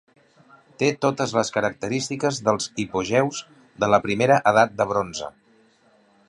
Té totes les característiques dels hipogeus de la primera edat del bronze.